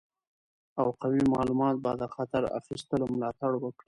او قوي معلومات به د خطر اخیستلو ملاتړ وکړي.